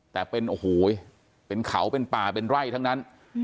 แต่เป็นโอ้โหเป็นเขาเป็นป่าเป็นไร่ทั้งนั้น